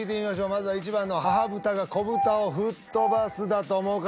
まずは１番の母豚が子豚を吹っ飛ばすだと思う方